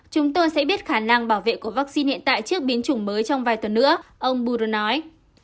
chúng tôi sẽ biết khả năng bảo vệ của vaccine hiện tại trước biến chủng mới trong vài tuần nữa ông budro nói